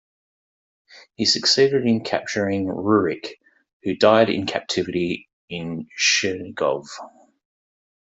He succeeded in capturing Rurik, who died in captivity in Chernigov.